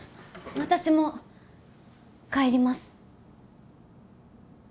私も帰ります。